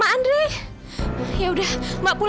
bahkan dari andre lahir pun